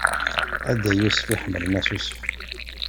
A Dda Yusef iḥemmlen asusef.